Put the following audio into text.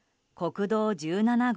国道１７号。